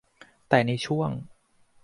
แต่ในช่วง